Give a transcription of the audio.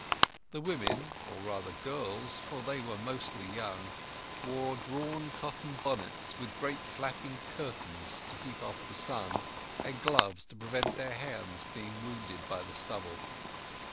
The women—or rather girls, for they were mostly young—wore drawn cotton bonnets with great flapping curtains to keep off the sun, and gloves to prevent their hands being wounded by the stubble.